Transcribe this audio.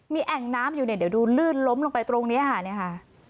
มีแอ่งน้ำอยู่เนี่ยเดี๋ยวดูลื่นล้มลงไปตรงนี้ค่ะเนี่ยค่ะ